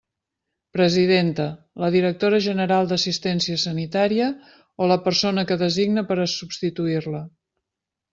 Presidenta: la directora general d'Assistència Sanitària o la persona que designe per a substituir-la.